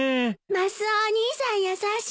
マスオお兄さん優しい。